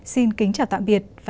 xin kính chào tạm biệt và hẹn gặp lại